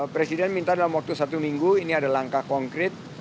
presiden minta dalam waktu satu minggu ini ada langkah konkret